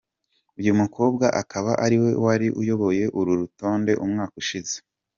Uyu mukobwa akaba ari we wari uyoboye uru rutonde umwaka ushize.